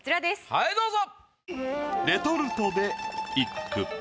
はいどうぞ。